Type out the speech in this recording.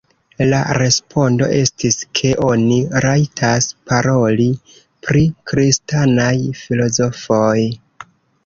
La respondo estis ke oni rajtas paroli pri kristanaj filozofoj.